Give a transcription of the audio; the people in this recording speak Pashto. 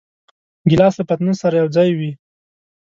ګیلاس له پتنوس سره یوځای وي.